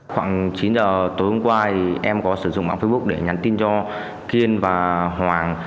khoảng chín giờ tối hôm qua em có sử dụng mạng facebook để nhắn tin cho kiên và hoàng